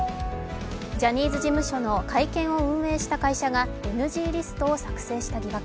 ジャニーズ事務所の会見を運営した会社がＮＧリストを作成した疑惑。